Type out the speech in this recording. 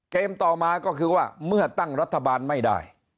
ต่อมาก็คือว่าเมื่อตั้งรัฐบาลไม่ได้